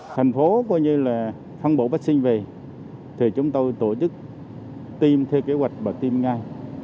thành phố coi như là phân bổ vaccine về thì chúng tôi tổ chức tiêm theo kế hoạch và tiêm ngay